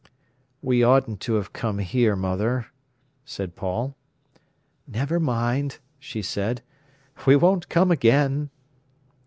"We oughtn't to have come here, mother," said Paul. "Never mind," she said. "We won't come again."